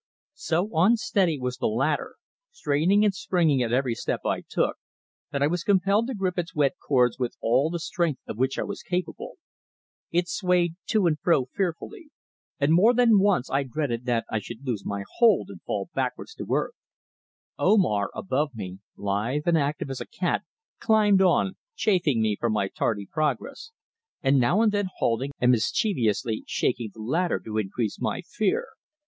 SO unsteady was the ladder, straining and springing at every step I took, that I was compelled to grip its wet cords with all the strength of which I was capable. It swayed to and fro fearfully, and more than once I dreaded that I should lose my hold and fall backwards to earth. Omar above me, lithe and active as a cat, climbed on, chaffing me for my tardy progress, and now and then halting and mischievously shaking the ladder to increase my fear.